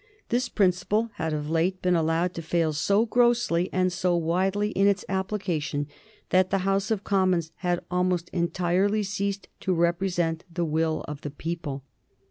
This principle had of late been allowed to fail so grossly and so widely in its application that the House of Commons had almost entirely ceased to represent the will of the people.